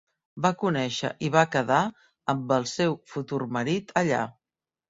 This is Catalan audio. Va conèixer i va quedar amb el seu futur marit allà.